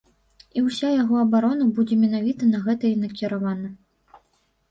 І ўся яго абарона будзе менавіта на гэта і накіравана.